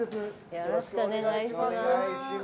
よろしくお願いします。